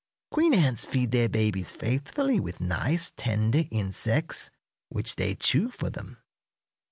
Queen ants feed their babies faithfully with nice, tender insects, which they chew for them.